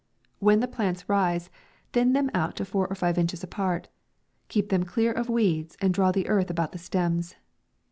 When the plants rise, thin them out to four or five inches apart ; keep them clear of weeds, and draw the earth about the stems.